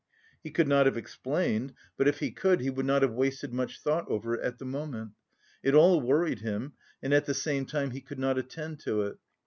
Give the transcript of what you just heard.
He could not have explained, but if he could, he would not have wasted much thought over it at the moment. It all worried him and at the same time he could not attend to it.